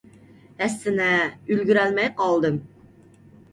ھەسسىنە، ئۈلگۈرەلمەي قالدىم.